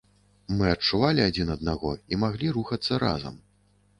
Мы адчувалі адзін аднаго і маглі рухацца разам.